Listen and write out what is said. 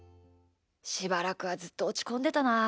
しばらくはずっとおちこんでたな。